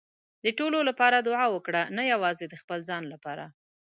د ټولو لپاره دعا وکړه، نه یوازې د خپل ځان لپاره.